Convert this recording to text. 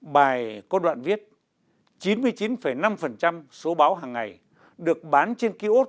bài có đoạn viết chín mươi chín năm số báo hàng ngày được bán trên kiosk